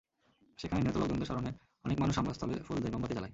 সেখানে নিহত লোকজনের স্মরণে অনেক মানুষ হামলাস্থলে ফুল দেয়, মোমবাতি জ্বালায়।